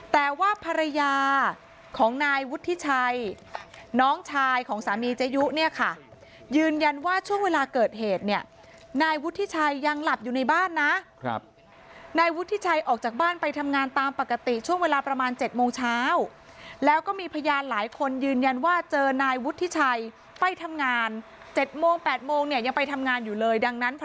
แต่ว่าภรรยาของนายวุฒิชัยน้องชายของสามีเจยุเนี่ยค่ะยืนยันว่าช่วงเวลาเกิดเหตุเนี่ยนายวุฒิชัยยังหลับอยู่ในบ้านนะครับนายวุฒิชัยออกจากบ้านไปทำงานตามปกติช่วงเวลาประมาณ๗โมงเช้าแล้วก็มีพยานหลายคนยืนยันว่าเจอนายวุฒิชัยไปทำงาน๗โมง๘โมงเนี่ยยังไปทำงานอยู่เลยดังนั้น